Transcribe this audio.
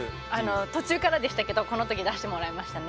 途中からでしたけどこの時出してもらえましたね。